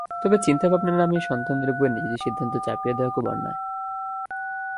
তবে চিন্তাভাবনার নামে সন্তানের ওপরে নিজের সিদ্ধান্ত চাপিয়ে দেওয়া খুব অন্যায়।